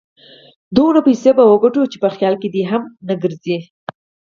دونه پيسې به وګټو چې په خيال کې دې نه ګرځي.